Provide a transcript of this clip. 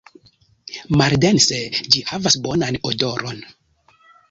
Maldense ĝi havas bonan odoron.